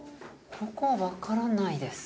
ここはわからないです。